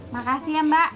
makasih ya mbak